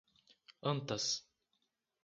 Antas